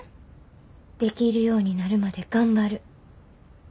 できるようになるまで頑張る。